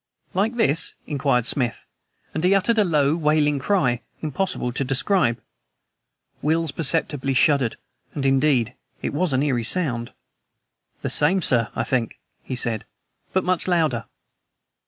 "Like this?" inquired Smith, and he uttered a low, wailing cry, impossible to describe. Wills perceptibly shuddered; and, indeed, it was an eerie sound. "The same, sir, I think," he said, "but much louder."